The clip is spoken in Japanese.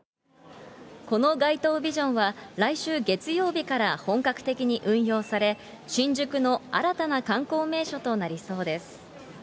この街頭ビジョンは、来週月曜日から本格的に運用され、新宿の新たな観光名所となりそうです。